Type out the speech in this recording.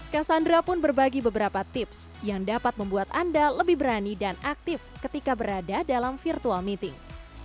cassandra pun berbagi beberapa tips yang dapat membuat anda lebih berani dan aktif ketika berada dalam virtual meeting